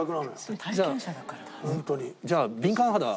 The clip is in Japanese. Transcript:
じゃあ敏感肌。